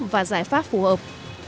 và giải pháp phù hợp